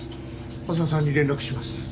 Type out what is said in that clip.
浅輪さんに連絡します。